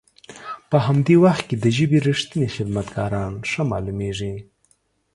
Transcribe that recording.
په همدي وخت کې د ژبې رښتني خدمت کاران ښه مالومیږي.